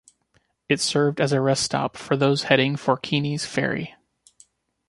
It served as a rest stop for those heading for Keeney's Ferry.